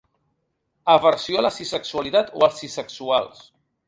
Aversió a la cissexualitat o als cissexuals.